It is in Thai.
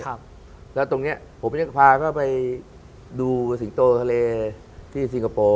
ครับแล้วตรงเนี้ยผมยังพาเขาไปดูสิงโตทะเลที่สิงคโปร์